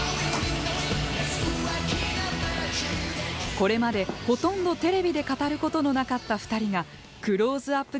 これまで、ほとんどテレビで語ることのなかった二人がクローズアップ